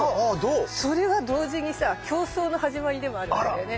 それは同時にさ競争の始まりでもあるわけだよね。